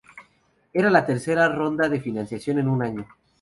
Era la tercera ronda de financiación en un año.